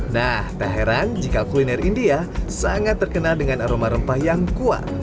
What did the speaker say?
nah tak heran jika kuliner india sangat terkenal dengan aroma rempah yang kuat